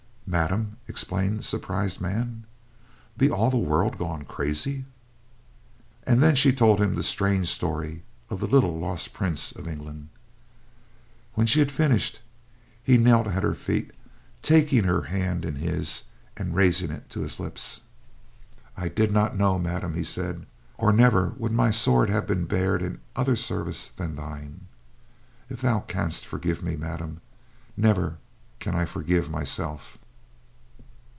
"Madame!" exclaimed the surprised man. "Be all the world gone crazy?" And then she told him the strange story of the little lost prince of England. When she had finished, he knelt at her feet, taking her hand in his and raising it to his lips. "I did not know, Madame," he said, "or never would my sword have been bared in other service than thine. If thou canst forgive me, Madame, never can I forgive myself."